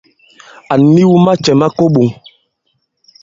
À niw macɛ̌ ma ko i iɓoŋ.